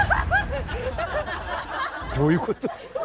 どういうこと？